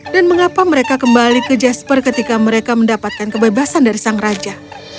dan mengapa mereka kembali ke jasper ketika mereka mendapatkan kebebasan dari sang raja